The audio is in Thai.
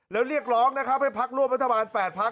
แล้วเรียกร้องนะครับให้พักร่วมรัฐบาล๘พัก